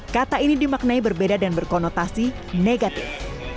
kata ini dimaknai berbeda dan berkonotasi negatif